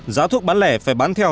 giá thuốc bán lẻ phải bán theo